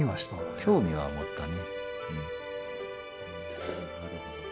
興味は持ったね。